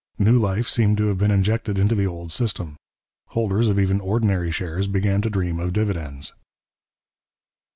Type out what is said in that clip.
New life seemed to have been injected into the old system. Holders of even ordinary shares began to dream of dividends.